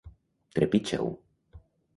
Trepitja-ho.